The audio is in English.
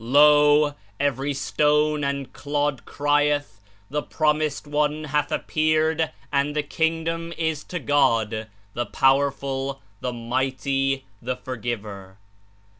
Lo ! Every stone and clod crieth, 'The Promised One hath appeared and the Kingdom is to God, the Powerful, the Mighty, the Forgiver